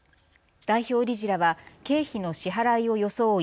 代表理事らは経費の支払いを装い